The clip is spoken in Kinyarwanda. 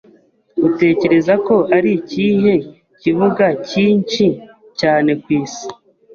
Utekereza ko ari ikihe kibuga cyinshi cyane ku isi?